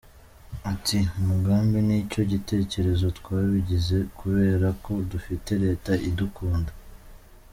Ati “Umugambi n’icyo gitekerezo twabigize kubera ko dufite leta idukunda.